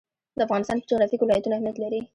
د افغانستان په جغرافیه کې ولایتونه اهمیت لري.